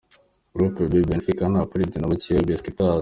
Group B : Benfica, Napoli, Dynamo Kiev, Besiktas